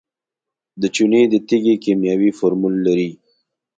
د چونې د تیږې کیمیاوي فورمول لري.